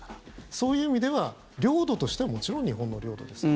そういう意味では、領土としてはもちろん日本の領土ですと。